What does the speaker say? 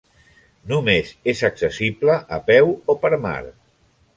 Només és accessible a peu o per mar.